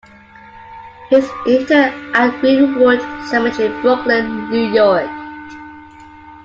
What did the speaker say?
He is interred at Green-Wood Cemetery, Brooklyn, New York.